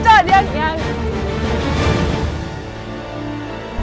สดเจอดยังยัง